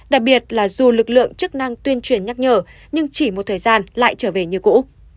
đặc biệt là dù lực lượng chức năng tuyên truyền nhắc nhở nhưng chỉ một thời gian lại trở về như cũ